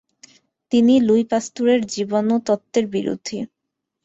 তিনি লুই পাস্তুরের জীবাণু তত্ত্বের বিরোধী।